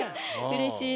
うれしい！